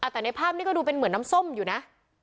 แต่ในภาพนี้ก็ดูเป็นเหมือนน้ำส้มอยู่นะ